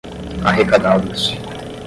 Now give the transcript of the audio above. arrecadados